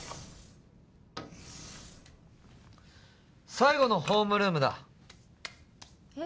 最後のホームルームだえっ？